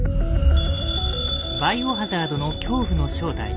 「バイオハザード」の恐怖の正体。